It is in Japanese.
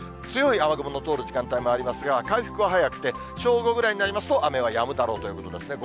強い雨雲の通る時間帯もありますが、回復は早くて、正午ぐらいになりますと、雨はやむだろうということです。